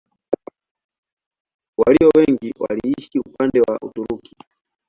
Walio wengi waliishi upande wa Uturuki.